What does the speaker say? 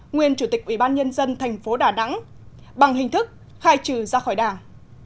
nguyên chủ tịch ủy ban nhân dân tp đà nẵng bằng hình thức khai trừ ra khỏi đảng